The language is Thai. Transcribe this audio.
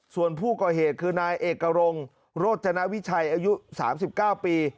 ส่วนผู้ก่อเหตุคือนายเอกรงโรจนาวิชัยอายุ๓๙ปี